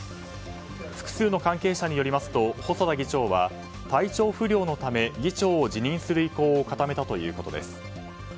複数の関係者によりますと細田議長は体調不良のため議長を辞任する意向を固めたということです。